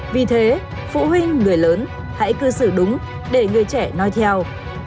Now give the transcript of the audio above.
vì thế phụ huynh người lớn hãy cư xử đúng để người trẻ nói theo